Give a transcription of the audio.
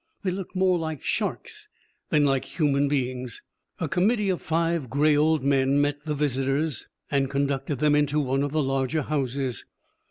They looked more like sharks than like human beings. A committee of five gray old men met the visitors, and conducted them into one of the larger houses.